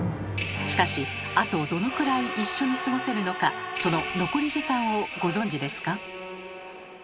しかしあとどのくらい一緒に過ごせるのかその残り時間をご存じですか？